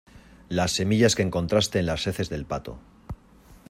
las semillas que encontraste en las heces del pato